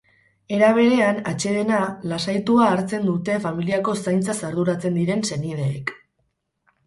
Era berean, atsedena, lasaitua hartzen dute familiko zaintzaz arduratzen diren senideek.